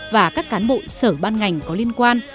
và các cán bộ sở ban ngành có liên quan